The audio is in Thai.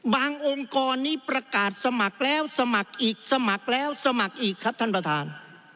องค์กรนี้ประกาศสมัครแล้วสมัครอีกสมัครแล้วสมัครอีกครับท่านประธาน